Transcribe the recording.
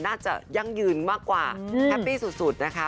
ยั่งยืนมากกว่าแฮปปี้สุดนะคะ